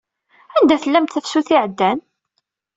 Anda tellamt tafsut iɛeddan?